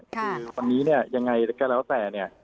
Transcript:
คือวันนี้ยังไงก็แล้วแต่